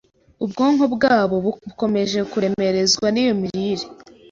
ubwonko bwabo bukomeje kuremerezwa n’iyo mirire